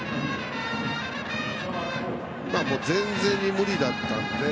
全然、無理だったので。